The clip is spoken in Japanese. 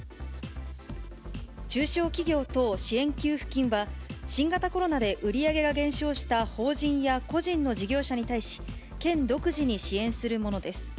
中小企業等支援給付金は、新型コロナで売り上げが減少した法人や個人の事業者に対し、県独自に支援するものです。